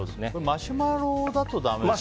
マシュマロだとだめですか？